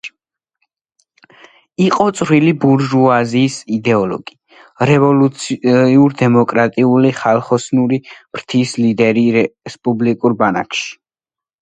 იყო წვრილი ბურჟუაზიის იდეოლოგი, რევოლუციურ-დემოკრატიული ხალხოსნური ფრთის ლიდერი რესპუბლიკურ ბანაკში.